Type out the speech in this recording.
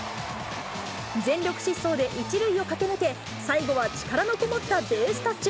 全力疾走で１塁を駆け抜け、最後は力の込もったベースタッチ。